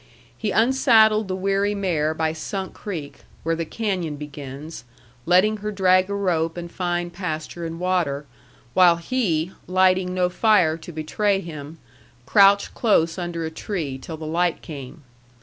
He unsaddled the weary mare by Sunk Creek, where the canyon begins, letting her drag a rope and find pasture and water, while he, lighting no fire to betray him, crouched close under a tree till the light came.